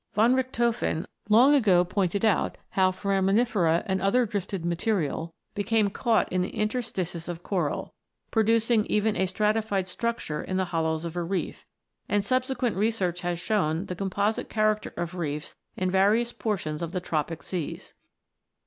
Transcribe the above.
Von Richthofen long ago pointed out how foraminifera and other drifted material became caught in the interstices of coral, producing even a stratified structure in the hollows of a reef; and subsequent research has shown the composite character of reefs in various portions of the tropic seas.